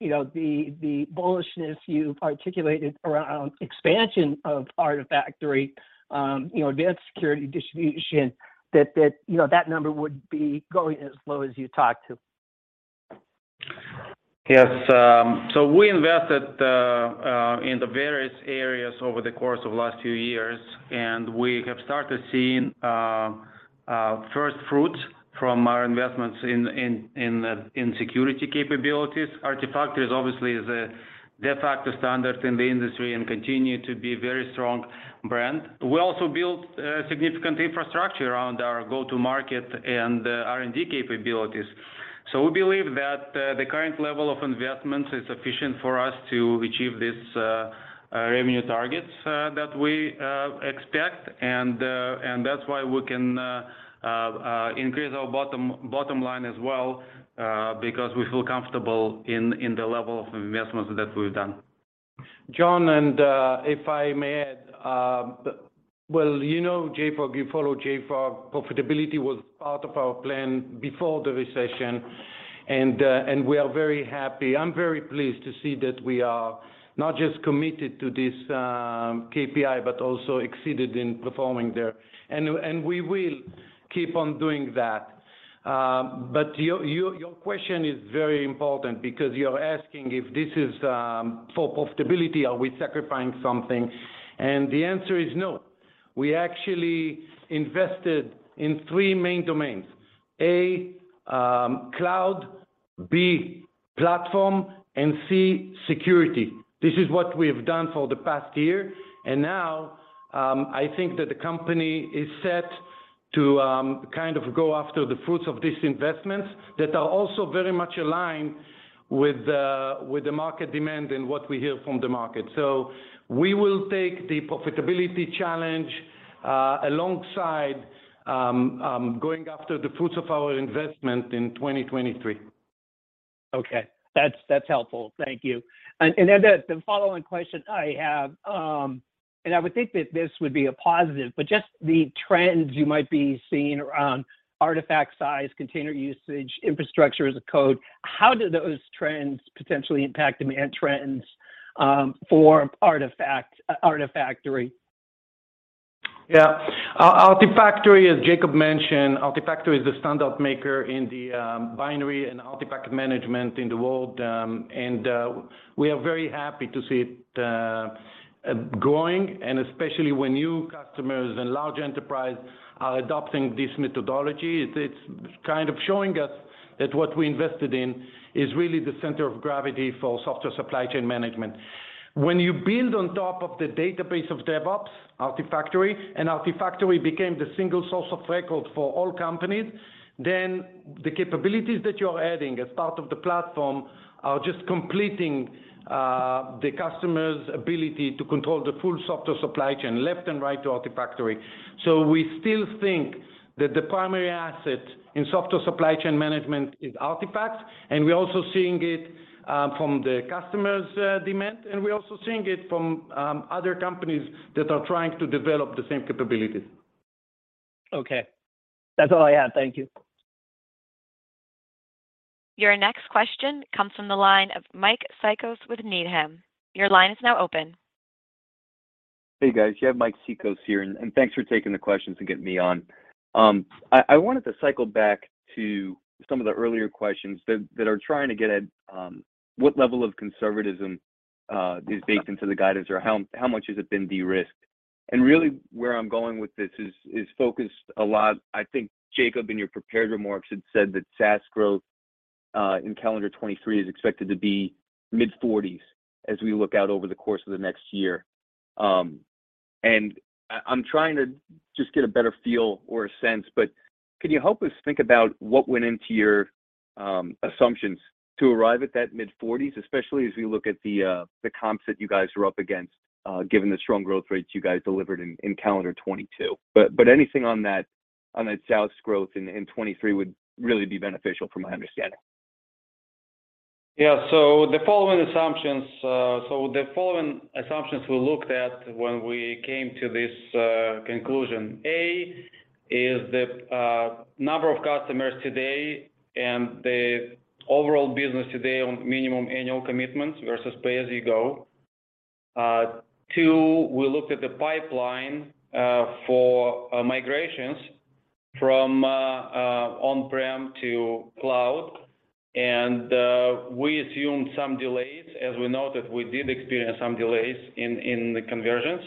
you know, the bullishness you've articulated around expansion of Artifactory, you know, Advanced Security distribution that, you know, that number would be going as low as you talked to. Yes. We invested in the various areas over the course of last few years, and we have started seeing first fruit from our investments in security capabilities. Artifactory is obviously the de facto standard in the industry and continue to be very strong brand. We also built significant infrastructure around our go-to-market and R&D capabilities. We believe that the current level of investments is sufficient for us to achieve this revenue targets that we expect. That's why we can increase our bottom line as well, because we feel comfortable in the level of investments that we've done. John. If I may add, well, you know, JFrog, you follow JFrog, profitability was part of our plan before the recession. We are very happy. I'm very pleased to see that we are not just committed to this KPI, but also exceeded in performing there. We will keep on doing that. Your question is very important because you're asking if this is for profitability, are we sacrificing something? The answer is no. We actually invested in three main domains: A, cloud, B, platform, and C, security. This is what we've done for the past year. I think that the company is set to kind of go after the fruits of these investments that are also very much aligned with the market demand and what we hear from the market. We will take the profitability challenge alongside going after the fruits of our investment in 2023. Okay. That's helpful. Thank you. The following question I have, I would think that this would be a positive, but just the trends you might be seeing around artifact size, container usage, infrastructure as code, how do those trends potentially impact demand trends for Artifactory? Yeah. Artifactory, as Jacob mentioned, Artifactory is the standout maker in the binary and artifact management in the world. We are very happy to see it growing and especially when new customers and large enterprise are adopting this methodology. It's kind of showing us that what we invested in is really the center of gravity for software supply chain management. When you build on top of the database of DevOps, Artifactory, and Artifactory became the single source of record for all companies, then the capabilities that you're adding as part of the platform are just completing the customer's ability to control the full software supply chain left and right to Artifactory. We still think that the primary asset in software supply chain management is artifacts, and we're also seeing it from the customer's demand, and we're also seeing it from other companies that are trying to develop the same capabilities. Okay. That's all I have. Thank you. Your next question comes from the line of Mike Cikos with Needham. Your line is now open. Hey, guys. You have Mike Cikos here, and thanks for taking the questions and getting me on. I wanted to cycle back to some of the earlier questions that are trying to get at what level of conservatism is baked into the guidance or how much has it been de-risked? Really where I'm going with this is focused a lot. I think Jacob, in your prepared remarks, had said that SaaS growth in calendar 2023 is expected to be mid-40s as we look out over the course of the next year. I'm trying to just get a better feel or a sense, but can you help us think about what went into your assumptions to arrive at that mid-40s, especially as we look at the comps that you guys are up against, given the strong growth rates you guys delivered in calendar 2022. Anything on that SaaS growth in 2023 would really be beneficial from my understanding. Yeah. The following assumptions we looked at when we came to this conclusion. Is the number of customers today and the overall business today on minimum annual commitments versus pay-as-you-go? Two. We looked at the pipeline for migrations from on-prem to cloud. We assumed some delays as we know that we did experience some delays in the conversions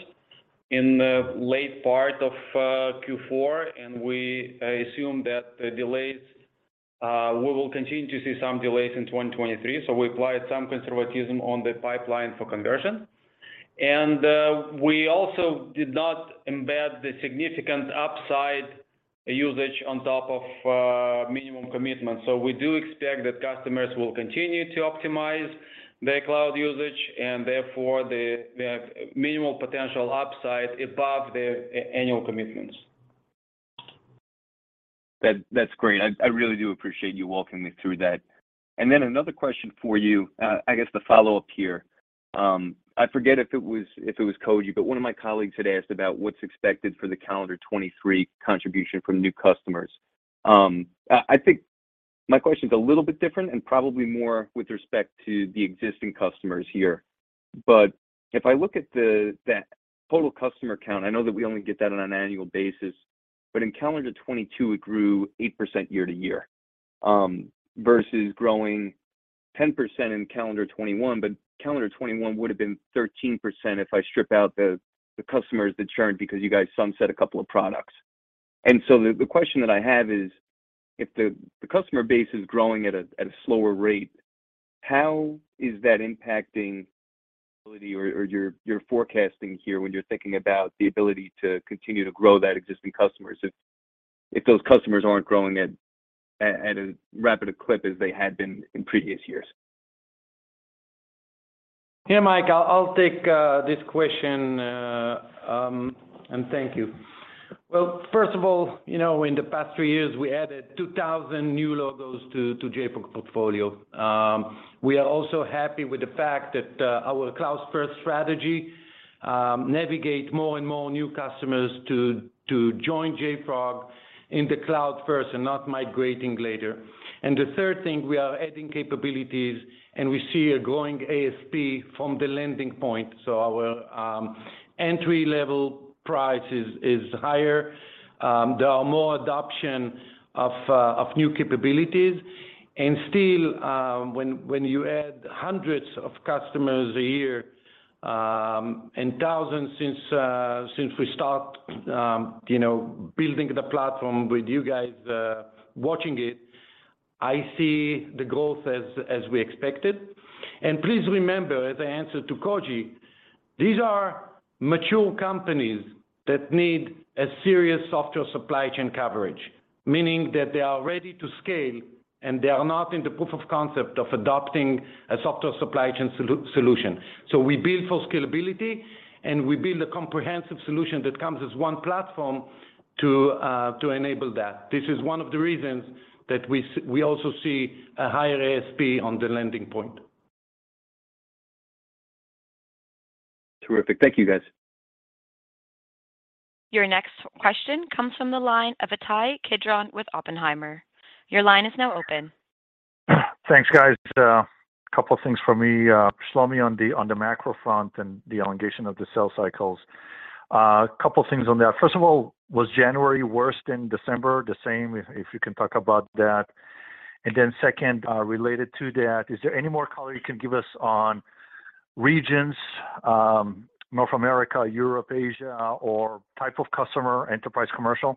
in the late part of Q4. We assume that the delays, we will continue to see some delays in 2023. We applied some conservatism on the pipeline for conversion. We also did not embed the significant upside usage on top of minimum commitment. We do expect that customers will continue to optimize their cloud usage, and therefore the minimal potential upside above their annual commitments. That's great. I really do appreciate you walking me through that. Another question for you, I guess the follow-up here. I forget if it was Koji, but one of my colleagues had asked about what's expected for the calendar 2023 contribution from new customers. I think my question is a little bit different and probably more with respect to the existing customers here. If I look at that total customer count, I know that we only get that on an annual basis, but in calendar 2022, it grew 8% year-to-year versus growing 10% in calendar 2021. Calendar 2021 would have been 13% if I strip out the customers that churned because you guys sunset a couple of products. The question that I have is, if the customer base is growing at a slower rate, how is that impacting ability or your forecasting here when you're thinking about the ability to continue to grow that existing customers if those customers aren't growing at as rapid a clip as they had been in previous years? Yeah, Mike, I'll take this question, and thank you. Well, first of all, you know, in the past three years, we added 2,000 new logos to JFrog portfolio. We are also happy with the fact that our cloud's first strategy navigate more and more new customers to join JFrog in the cloud first and not migrating later. The third thing, we are adding capabilities, and we see a growing ASP from the landing point. Our entry-level price is higher. There are more adoption of new capabilities. Still, when you add 100s of customers a year, and thousands since we start, you know, building the platform with you guys, watching it, I see the growth as we expected. Please remember, as I answered to Koji, these are mature companies that need a serious software supply chain coverage, meaning that they are ready to scale, and they are not in the proof of concept of adopting a software supply chain solution. We build for scalability, and we build a comprehensive solution that comes as one platform to enable that. This is one of the reasons that we also see a higher ASP on the lending point. Terrific. Thank you, guys. Your next question comes from the line of Ittai Kidron with Oppenheimer. Your line is now open. Thanks, guys. Couple things for me, Shlomi, on the macro front and the elongation of the sales cycles. Couple things on that. First of all, was January worse than December, the same? If you can talk about that. Then second, related to that, is there any more color you can give us on regions, North America, Europe, Asia, or type of customer, enterprise commercial?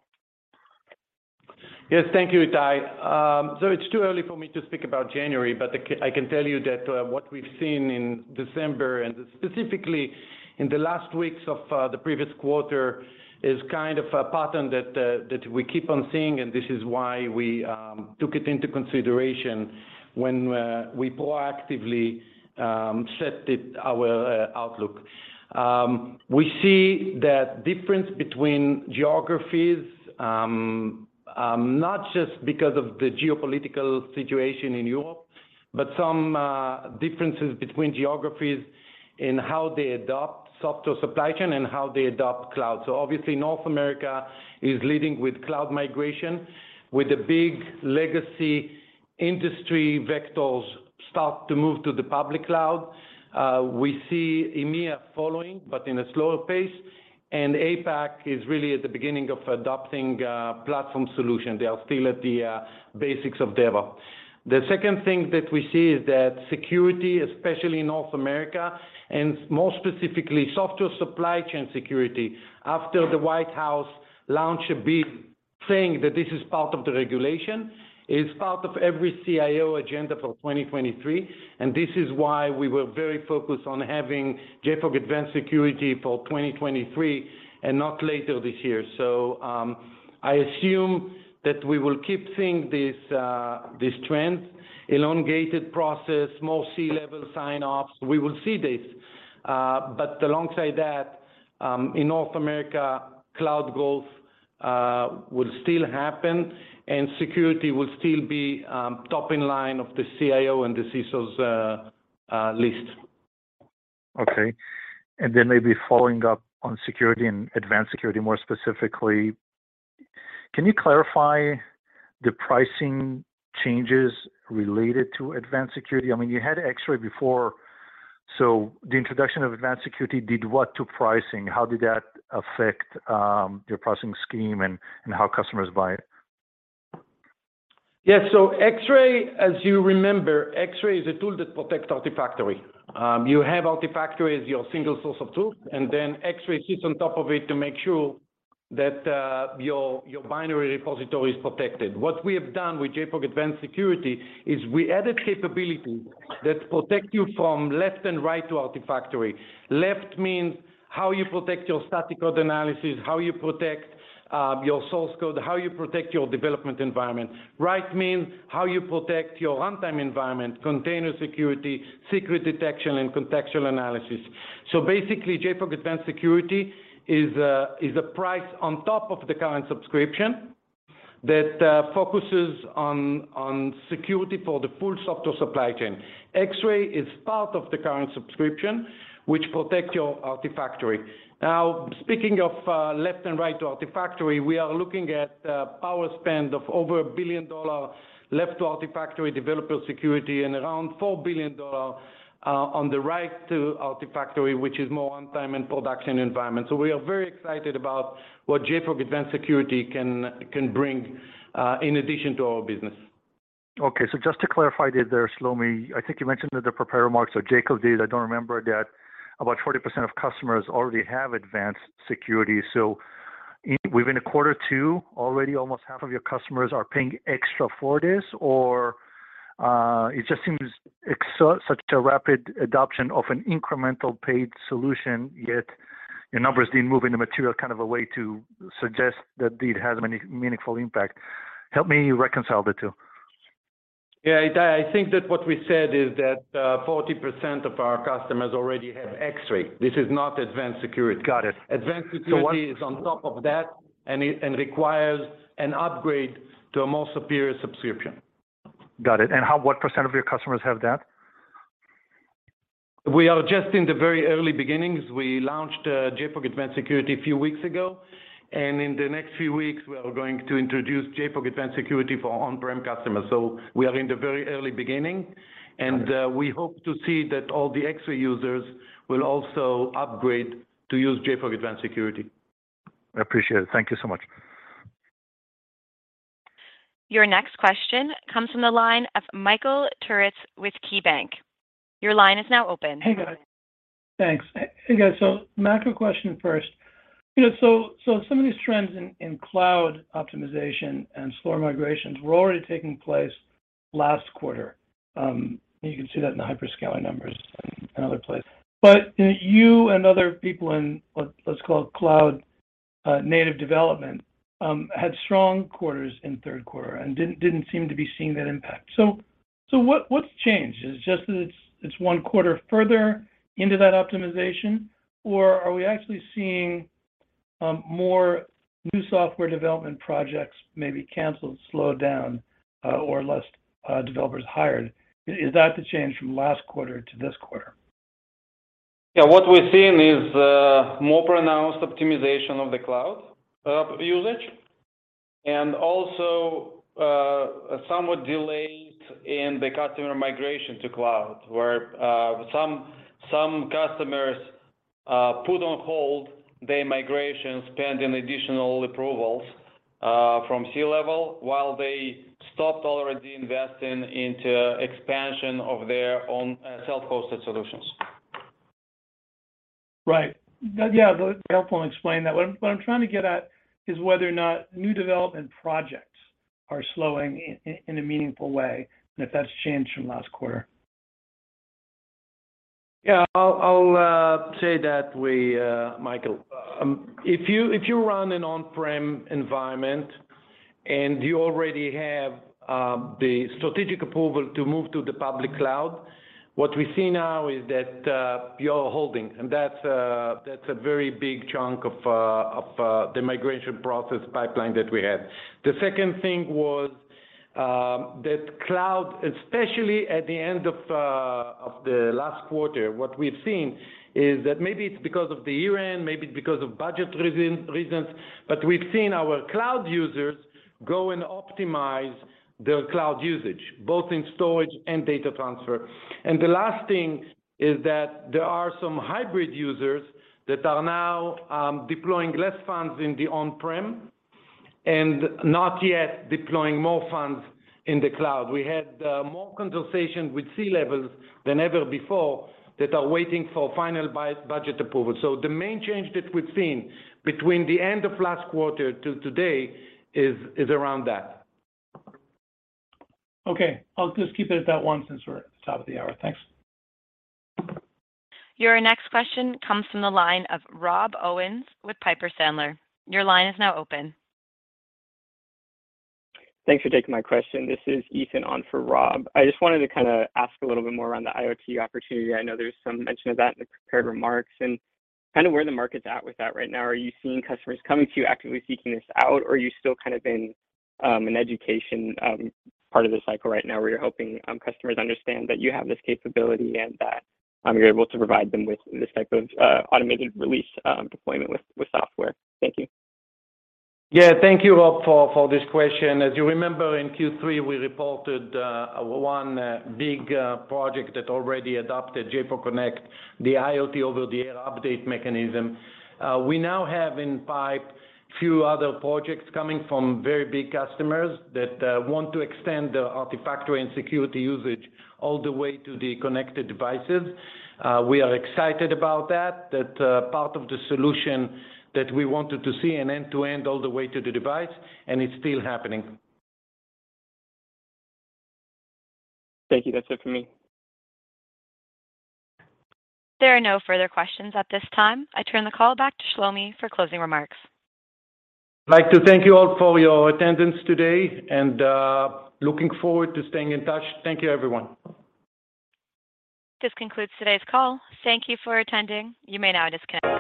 Yes, thank you, Ittai. It's too early for me to speak about January, but I can tell you that what we've seen in December and specifically in the last weeks of the previous quarter is kind of a pattern that we keep on seeing, and this is why we took it into consideration when we proactively set our outlook. We see that difference between geographies, not just because of the geopolitical situation in Europe, but some differences between geographies in how they adopt software supply chain and how they adopt cloud. Obviously, North America is leading with cloud migration, with the big legacy industry vectors start to move to the public cloud. We see EMEA following, but in a slower pace. APAC is really at the beginning of adopting platform solution. They are still at the basics of DevOps. The second thing that we see is that security, especially in North America, and more specifically, software supply chain security, after the White House launched a bid saying that this is part of the regulation, is part of every CIO agenda for 2023. This is why we were very focused on having JFrog Advanced Security for 2023 and not later this year. I assume that we will keep seeing this trend, elongated process, more C-level sign-offs. We will see this. Alongside that, in North America, cloud growth will still happen and security will still be top in line of the CIO and the CISO's list. Okay. Maybe following up on security and Advanced Security more specifically, can you clarify the pricing changes related to Advanced Security? I mean, you had Xray before, the introduction of Advanced Security did what to pricing? How did that affect your pricing scheme and how customers buy it? Yes. Xray, as you remember, Xray is a tool that protects Artifactory. You have Artifactory as your single source of truth, and then Xray sits on top of it to make sure that your binary repository is protected. What we have done with JFrog Advanced Security is we added capability that protect you from left and right to Artifactory. Left means how you protect your static code analysis, how you protect your source code, how you protect your development environment. Right means how you protect your runtime environment, container security, secret detection, and contextual analysis. Basically, JFrog Advanced Security is a price on top of the current subscription that focuses on security for the full software supply chain. Xray is part of the current subscription, which protect your Artifactory. Speaking of, left and right to Artifactory, we are looking at power spend of over $1 billion left to Artifactory developer security and around $4 billion on the right to Artifactory, which is more runtime and production environment. We are very excited about what JFrog Advanced Security can bring in addition to our business. Okay. Just to clarify it there, Shlomi, I think you mentioned in the prepared remarks or Jacob did, I don't remember, that about 40% of customers already have Advanced Security. Within a Q2, already almost half of your customers are paying extra for this? It just seems such a rapid adoption of an incremental paid solution, yet your numbers didn't move in the material kind of a way to suggest that it has many meaningful impact. Help me reconcile the two. Yeah. I think that what we said is that 40% of our customers already have Xray. This is not Advanced Security. Got it. Advanced Security is on top of that, and it requires an upgrade to a more superior subscription. Got it. What % of your customers have that? We are just in the very early beginnings. We launched JFrog Advanced Security a few weeks ago, and in the next few weeks, we are going to introduce JFrog Advanced Security for on-prem customers. We are in the very early beginning. Got it. We hope to see that all the Xray users will also upgrade to use JFrog Advanced Security. I appreciate it. Thank you so much. Your next question comes from the line of Michael Turits with KeyBanc. Your line is now open. Hey, guys. Thanks. Hey, guys. Macro question first. You know, some of these trends in cloud optimization and slower migrations were already taking place last quarter. You can see that in the hyperscale numbers and other places. You know, you and other people in let's call it cloud native development had strong quarters in third quarter and didn't seem to be seeing that impact. What's changed? Is it just that it's one quarter further into that optimization, or are we actually seeing more new software development projects maybe canceled, slowed down, or less developers hired? Is that the change from last quarter to this quarter? What we're seeing is more pronounced optimization of the cloud usage, and also somewhat delayed in the customer migration to cloud, where some customers put on hold their migration pending additional approvals from C-level while they stopped already investing into expansion of their own self-hosted solutions. Right. Yeah. That's helpful in explaining that. What I'm trying to get at is whether or not new development projects are slowing in a meaningful way, if that's changed from last quarter. Yeah. I'll say that we, Michael, if you run an on-prem environment and you already have the strategic approval to move to the public cloud, what we see now is that you're holding, and that's a very big chunk of the migration process pipeline that we had. The second thing was that cloud, especially at the end of the last quarter, what we've seen is that maybe it's because of the year-end, maybe it's because of budget reasons, but we've seen our cloud users go and optimize their cloud usage, both in storage and data transfer. The last thing is that there are some hybrid users that are now deploying less funds in the on-prem and not yet deploying more funds in the cloud. We had more conversations with C-levels than ever before that are waiting for final budget approval. The main change that we've seen between the end of last quarter to today is around that. Okay. I'll just keep it at that one since we're at the top of the hour. Thanks. Your next question comes from the line of Rob Owens with Piper Sandler. Your line is now open. Thanks for taking my question. This is Ethan on for Rob. I just wanted to kind a ask a little bit more around the IoT opportunity. I know there's some mention of that in the prepared remarks, and kind a where the market's at with that right now. Are you seeing customers coming to you actively seeking this out, or are you still kind of in an education part of the cycle right now, where you're helping customers understand that you have this capability and that you're able to provide them with this type of automated release deployment with software? Thank you. Yeah. Thank you, Rob, for this question. As you remember, in Q3, we reported 1 big project that already adopted JFrog Connect, the IoT over the air update mechanism. We now have in pipe few other projects coming from very big customers that want to extend the Artifactory and security usage all the way to the connected devices. We are excited about that part of the solution that we wanted to see an end-to-end all the way to the device, and it's still happening. Thank you. That's it for me. There are no further questions at this time. I turn the call back to Shlomi for closing remarks. I'd like to thank you all for your attendance today, and, looking forward to staying in touch. Thank you, everyone. This concludes today's call. Thank you for attending. You may now disconnect.